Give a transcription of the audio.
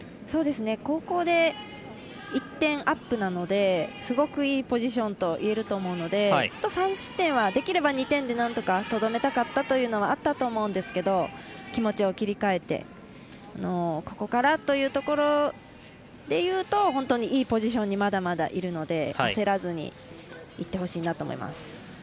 後攻で１点アップなのですごくいいポジションといえると思うので３失点はできれば２点でなんとかとどめたかったというのはあったと思うんですけど気持ちを切り替えてここからというところでいうと本当にいいポジションにまだまだいるので焦らずにいってほしいなと思います。